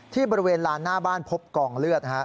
ที่บริเวณลานหน้าบ้านพบกองเลือด